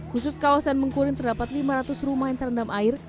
khusus kawasan bengkuring terdapat lima ratus rumah yang terendam air